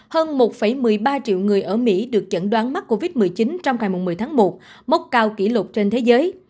hơn một một mươi ba triệu người ở mỹ được chẩn đoán mắc covid một mươi chín trong ngày một mươi tháng một mốc cao kỷ lục trên thế giới